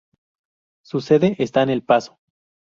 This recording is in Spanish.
Su sede está en El Paso.